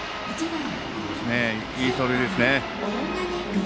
いい走塁ですね。